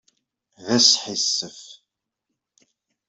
D asḥissef!